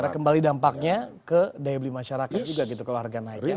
karena kembali dampaknya ke daya beli masyarakat juga gitu keluarga naik ya